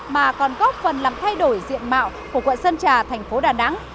mà còn góp phần làm thay đổi diện mạo của quận sơn trà thành phố đà nẵng